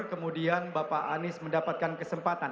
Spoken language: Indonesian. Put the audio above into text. kemudian bapak anies mendapatkan kesempatan